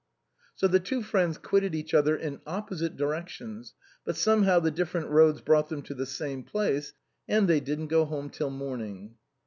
So the two friends quitted each other in opposite direc tions, but somehow the different roads brought them to the same place, and they didn't go home till morning.